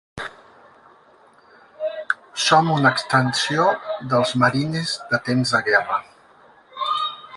Som una extensió dels marines de temps de guerra.